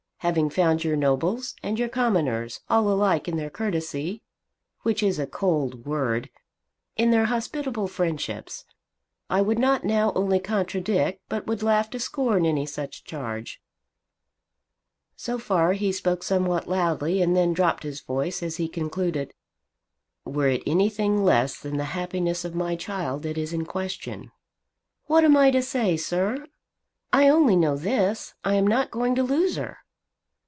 Having found your nobles and your commoners all alike in their courtesy, which is a cold word; in their hospitable friendships, I would now not only contradict, but would laugh to scorn any such charge," so far he spoke somewhat loudly, and then dropped his voice as he concluded, "were it anything less than the happiness of my child that is in question." "What am I to say, sir? I only know this; I am not going to lose her."